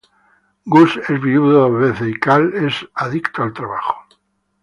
Gus es viudo dos veces y Call es adicto al trabajo.